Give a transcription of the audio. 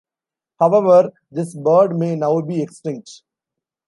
However, this bird may now be extinct.